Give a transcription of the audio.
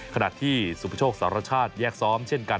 ขณะที่สุพโชคสารชาติแยกซ้อมเช่นกัน